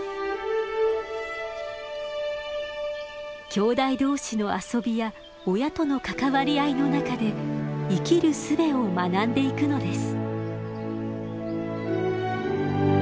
きょうだい同士の遊びや親との関わり合いの中で生きるすべを学んでいくのです。